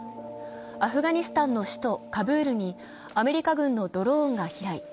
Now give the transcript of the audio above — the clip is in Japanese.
アフガニスタンの首都カブールにアメリカ軍のドローンが飛来。